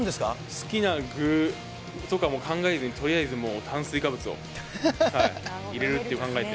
好きな具とかもう考えず、とりあえず炭水化物を入れるってことを考えて。